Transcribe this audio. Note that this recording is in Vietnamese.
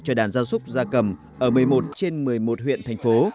cho đàn gia súc gia cầm ở một mươi một trên một mươi một huyện thành phố